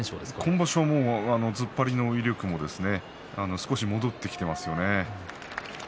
今場所は突っ張りの威力も少し戻ってきていますよね。